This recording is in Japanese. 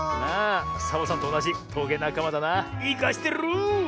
サボさんとおなじトゲなかまだな。いかしてる！